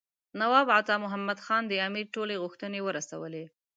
نواب عطا محمد خان د امیر ټولې غوښتنې ورسولې.